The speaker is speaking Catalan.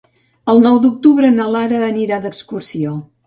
El nou d'octubre na Lara anirà d'excursió.